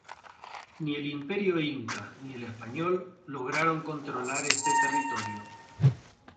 Ni el Imperio inca ni el español lograron controlar este territorio.